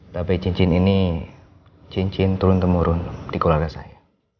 tapi cincin ini cincin turun temurun di keluarga saya